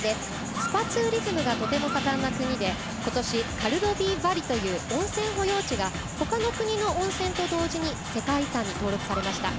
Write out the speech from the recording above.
スパツーリズムがとても盛んな国でことし、カルロヴィ・ヴァリという温泉保養地がほかの国の温泉と同時に世界遺産に登録されました。